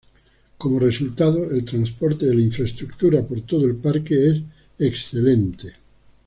Como resultado, el transporte de la infraestructura por todo el parque es excelente.